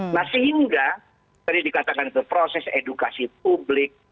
nah sehingga tadi dikatakan itu proses edukasi publik